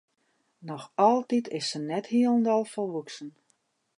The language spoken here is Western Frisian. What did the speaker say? Noch altyd is se net hielendal folwoeksen.